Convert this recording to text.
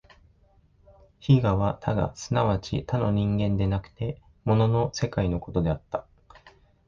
非我は他我即ち他の人間でなくて物の世界のことであった。